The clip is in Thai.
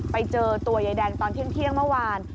ไปเจอตัวยายแดงตอนเที่ยงเมื่อวาน